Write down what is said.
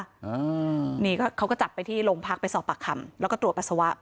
เห็นมั้ยคะนี่เขาก็จับไปที่โรงพักษณ์ไปสอบปากคำแล้วก็ตรวจปัสสาวะ